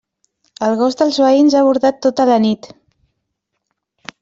El gos dels veïns ha bordat tota la nit.